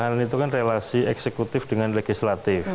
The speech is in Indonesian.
pertahanan itu kan relasi eksekutif dengan legislatif